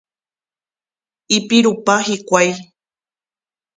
Ipirupa hikuái.